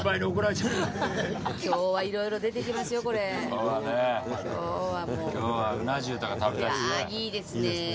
ああいいですね。